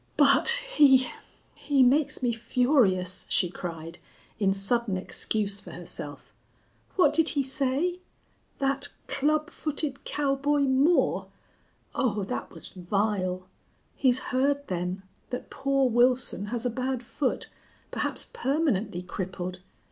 "But he he makes me furious," she cried, in sudden excuse for herself. "What did he say? 'That club footed cowboy Moore'!... Oh, that was vile. He's heard, then, that poor Wilson has a bad foot, perhaps permanently crippled....